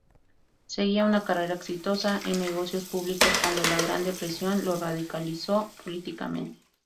Seguía una carrera exitosa en negocios, públicos cuando la Gran Depresión lo radicalizó políticamente.